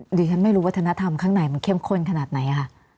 ดิฉันไม่รู้วัฒนธรรมข้างในมันเข้มข้นขนาดไหนค่ะ